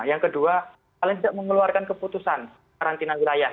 yang kedua paling tidak mengeluarkan keputusan karantina wilayah